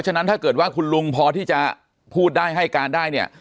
ฉะนั้นถ้าเกิดว่าคุณลุงพอที่จะพูดได้ให้การได้เนี่ย